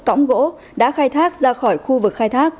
cõng gỗ đã khai thác ra khỏi khu vực khai thác